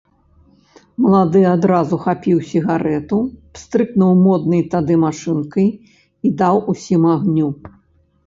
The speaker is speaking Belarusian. Малады адразу хапіў сігарэту, пстрыкнуў моднай тады машынкай і даў усім агню.